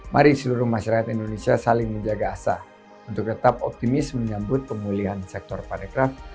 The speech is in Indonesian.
mari seluruh masyarakat indonesia saling menjaga asa untuk tetap optimis menyambut pemulihan sektor parekraf